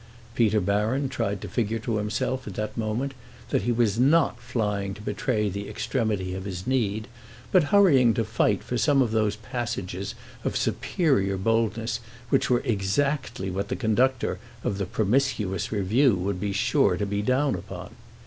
Peter Baron tried to figure to himself at that moment that he was not flying to betray the extremity of his need, but hurrying to fight for some of those passages of superior boldness which were exactly what the conductor of the "Promiscuous Review" would be sure to be down upon.